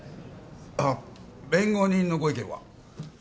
あっ弁護人のご意見は？